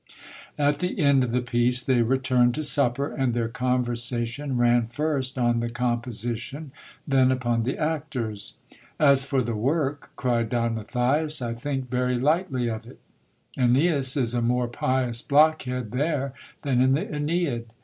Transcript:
At the end of the piece they returned to supper, and their conversation ran first on the composition, then upon the actors. As for the work, cried Don Matthias, I think very light ly of it. Eneas is a more pious blockhead there than in the Eneid.